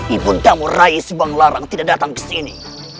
ibuntamu rai sibang larang tidak datang kesini